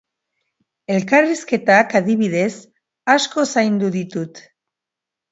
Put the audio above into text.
Elkarrizketak, adibidez, asko zaindu ditut.